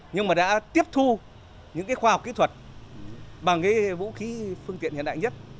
nhưng mà đã tiếp thu những cái khoa học kỹ thuật bằng cái vũ khí phương tiện hiện đại nhất